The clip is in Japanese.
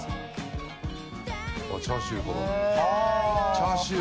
チャーシューの。